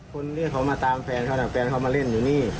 คนที่เขามาตามแฟนเขาน่ะแฟนเขามาเล่นอยู่นี่